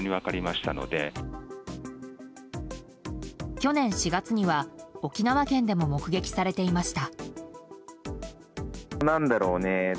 去年４月には沖縄県でも目撃されていました。